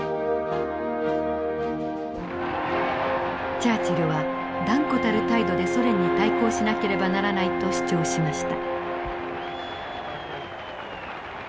チャーチルは断固たる態度でソ連に対抗しなければならないと主張しました。